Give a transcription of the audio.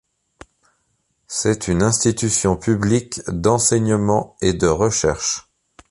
C’est une institution publique d’enseignement et de recherches.